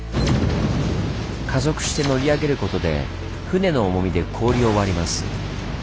加速して乗り上げることで船の重みで氷を割ります。